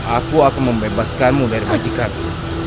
aku akan membebaskanmu dari majikanku